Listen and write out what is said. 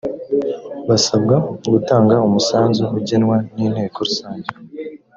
basabwa gutanga umusanzu ugenwa n’inteko rusange